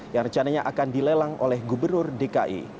yang rencananya akan dilelang oleh gubernur dki